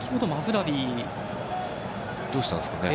どうしたんですかね？